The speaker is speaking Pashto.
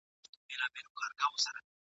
کي به ځي کاروان د اوښو ..